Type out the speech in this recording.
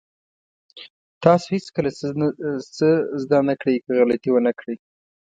تاسو هېڅکله څه زده نه کړئ که غلطي ونه کړئ.